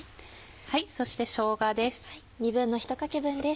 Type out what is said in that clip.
そしてしょうがです。